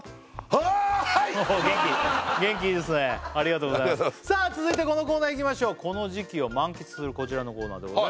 ありがとうございますありがとうございますさあ続いてこのコーナーいきましょうこの時期を満喫するこちらのコーナーでございます